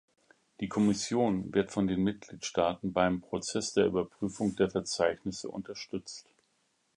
Die Kommission wird von den Mitgliedstaaten beim Prozess der Überprüfung der Verzeichnisse unterstützt.